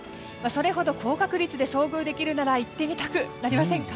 それほど高確率で遭遇できるなら行ってみたくなりませんか？